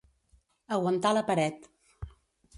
Aguantar la paret.